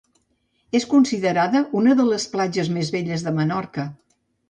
És considerada una de les platges més belles de Menorca.